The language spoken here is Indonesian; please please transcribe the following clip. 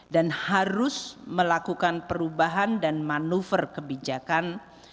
dan harus melakukan perubahan dan manuver kebijakan